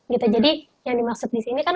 gitu jadi yang dimaksud disini kan